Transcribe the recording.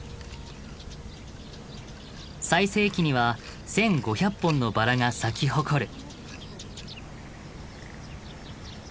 最盛期には１，５００本のバラが咲き誇る。